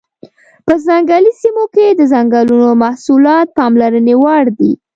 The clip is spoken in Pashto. په ځنګلي سیمو کې د ځنګلونو محصولات پاملرنې وړ دي.